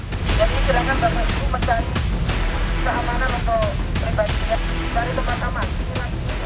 yang pertama mengucapkan permohonan maaf untuk pemulihan dari kodam jaya